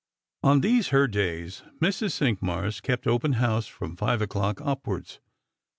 On these her days, Mrs. Cinqmars kept open house from five o'clock upwards.